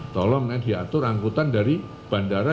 tolong nanti diatur angkutan dari bandara